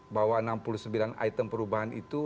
bahwa enam puluh sembilan item perubahan itu